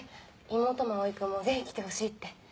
妹も蒼君もぜひ来てほしいって。